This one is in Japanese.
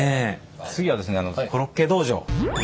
次はですねコロッケ道場。